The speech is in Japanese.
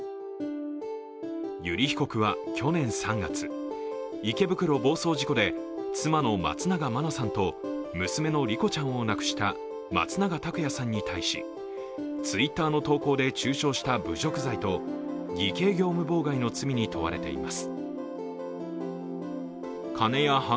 油利被告は去年３月、池袋暴走事故で、妻の松永真菜さんと娘の莉子ちゃんを亡くした松永拓也さんに対しＴｗｉｔｔｅｒの投稿で中傷した侮辱罪と偽計業務妨害の罪に問われています。